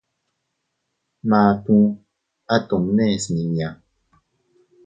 Matuu ¿A tomne smiña?